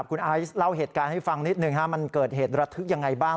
คุณไอซ์เล่าเหตุการณ์ให้ฟังนิดหนึ่งมันเกิดเหตุระทึกยังไงบ้าง